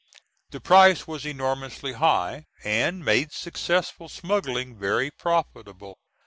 The price was enormously high, and made successful smuggling very profitable.